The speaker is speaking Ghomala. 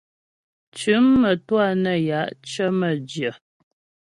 Tʉ̌m mə́twâ nə́ ya' cə̀ mə́jyə.